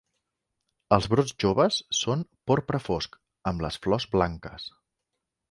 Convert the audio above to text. Els brots joves són porpra fosc amb les flors blanques.